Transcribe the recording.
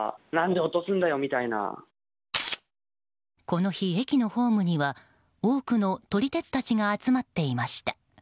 この日、駅のホームには多くの撮り鉄たちが集まっていました。